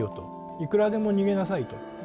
「いくらでも逃げなさい」と。